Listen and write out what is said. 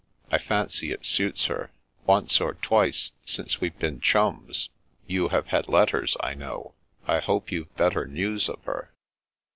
I fancy it suits her. Once or twice, since we've been chums, you have had letters, I know. I hope you've better news of her